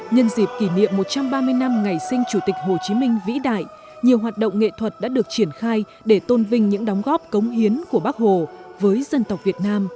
nhân dịp kỷ niệm một trăm ba mươi năm ngày sinh chủ tịch hồ chí minh vĩ đại nhiều hoạt động nghệ thuật đã được triển khai để tôn vinh những đóng góp cống hiến của bác hồ với dân tộc việt nam